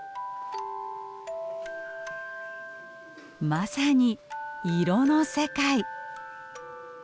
まさに色の世界。